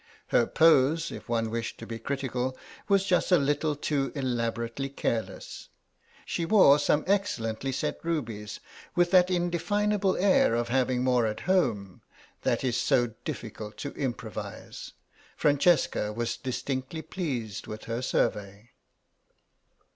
Her pose, if one wished to be critical, was just a little too elaborately careless. She wore some excellently set rubies with that indefinable air of having more at home that is so difficult to improvise. Francesca was distinctly pleased with her survey.